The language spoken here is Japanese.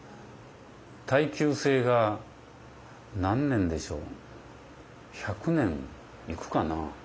耐久性が何年でしょう１００年いくかな？